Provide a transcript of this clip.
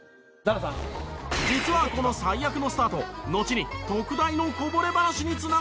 実はこの最悪のスタートのちに特大のこぼれ話につながるのだが。